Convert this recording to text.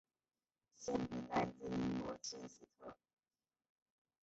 县名来自英国切斯特。